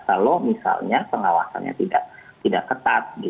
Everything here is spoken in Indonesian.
kalau misalnya pengawasannya tidak ketat